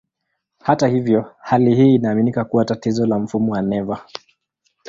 Hata hivyo, hali hii inaaminika kuwa tatizo la mfumo wa neva.